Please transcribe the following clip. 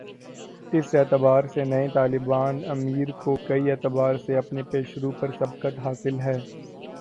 اس اعتبار سے نئے طالبان امیر کو کئی اعتبار سے اپنے پیش رو پر سبقت حاصل ہے۔